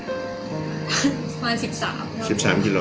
ปล่อยสิบสามสิบสามกี่รอ